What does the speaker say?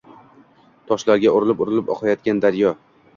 Toshlarga urilib-urilib oqayotgan daryo.